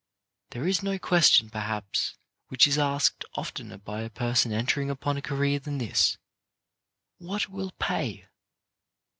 There is no question, perhaps, which is asked oftener by a person entering upon a career than this — What will pay